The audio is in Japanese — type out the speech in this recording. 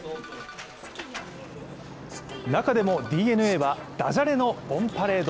中でも、ＤｅＮＡはだじゃれのオンパレード。